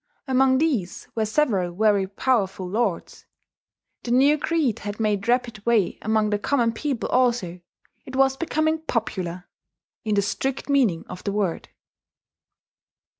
Among these were several very powerful lords. The new creed had made rapid way among the common people also: it was becoming "popular," in the strict meaning of the word.